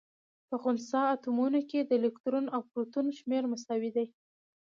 په خنثا اتومونو کي د الکترون او پروتون شمېر مساوي. دی